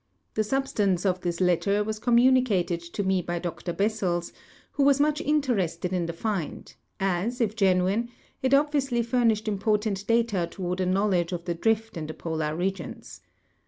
The sub stance of this letter was communicated to me by Dr Bessels, who was much interested in the find, as, if genuine, it obviously fur nished important data toward a knowledge of the drift in the polar regions.